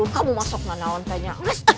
kamu masuk ngana ontennya